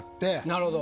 なるほど。